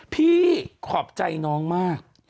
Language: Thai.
ขอบใจน้องมาก